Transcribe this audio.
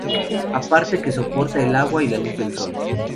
Aparte de que soporta el agua y la luz del sol.